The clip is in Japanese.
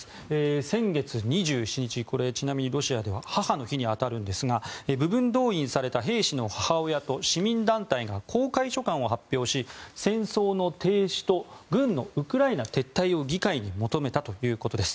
先月２７日、ちなみにロシアでは母の日に当たりますが部分動員された兵士の母親と市民団体が公開書簡を発表し、戦争の停止と軍のウクライナ撤退を議会に求めたということです。